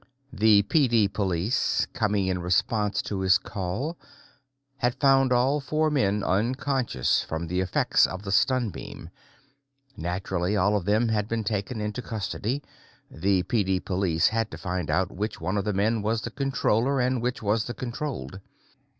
The PD Police, coming in response to his call, had found all four men unconscious from the effects of the stun beam. Naturally, all of them had been taken into custody; the PD Police had to find out which one of the men was the Controller and which the controlled.